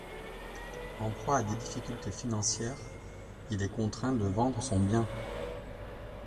En proie à des difficultés financières, il est contraint de vendre son bien.